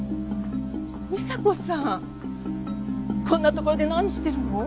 美沙子さんこんな所で何してるの？